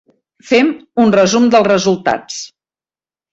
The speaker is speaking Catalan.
Fem un resum dels resultats.